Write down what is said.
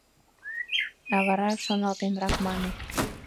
А вара шоналтенрак мане: